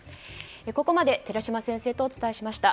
ここまで寺嶋先生とお伝えしました。